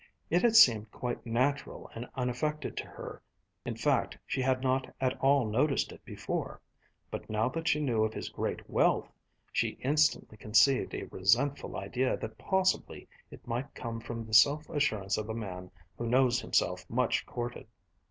It had seemed quite natural and unaffected to her, in fact she had not at all noticed it before; but now that she knew of his great wealth, she instantly conceived a resentful idea that possibly it might come from the self assurance of a man who knows himself much courted.